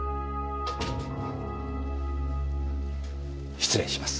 失礼します。